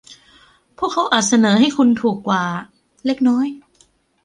พวกเขาอาจเสนอให้คุณถูกกว่าเล็กน้อย